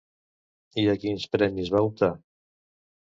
I a quins premis va optar?